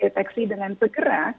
tidak terdeteksi dengan segera